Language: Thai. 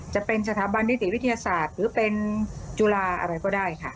จะเป็นสถาบันนิติวิทยาศาสตร์หรือเป็นจุฬาอะไรก็ได้ค่ะ